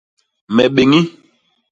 Me béñi.